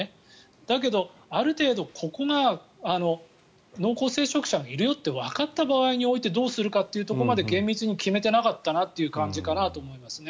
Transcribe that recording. だけど、ある程度ここが濃厚接触者がいるよってわかった場合においてどうするというところまでそこまで厳密に決めてなかったのかなという感じですね。